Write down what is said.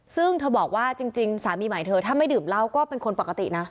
ซึ่งเธอบอกว่าจริงสามีใหม่เธอถ้าไม่ดื่มเหล้าก็เป็นคนปกตินะ